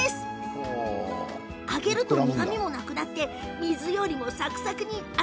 揚げると苦みもなくなり水よりもサックサク。